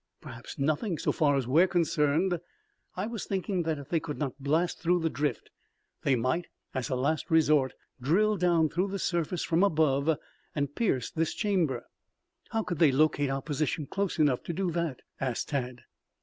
"Perhaps nothing so far as we are concerned. I was thinking that if they could not blast through the drift, they might as a last resort, drill down through the surface from above and pierce this chamber." "How could they locate our position close enough to do that?" asked Tad.